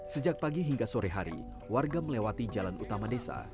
sejak pagi hingga sore hari warga melewati jalan utama desa